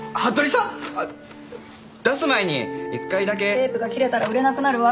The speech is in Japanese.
テープが切れたら売れなくなるわ。